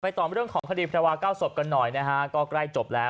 ต่อเรื่องของคดีแพรวาเก้าศพกันหน่อยนะฮะก็ใกล้จบแล้ว